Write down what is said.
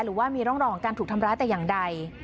หรือว่ามีร่องรอยของการถูกทำร้ายแต่อย่างใด